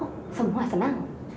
oh semua senang